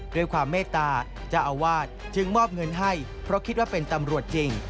ด้วยความเมตตาเจ้าอาวาสจึงมอบเงินให้เพราะคิดว่าเป็นตำรวจจริง